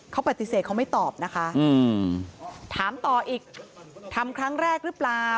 เขาปฏิเสธเขาไม่ตอบนะคะถามต่ออีกทำครั้งแรกหรือเปล่า